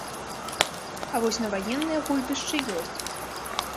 А вось на ваенныя гульбішчы ёсць.